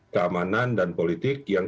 keamanan dan politik yang